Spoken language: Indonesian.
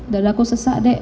dan aku sesak dek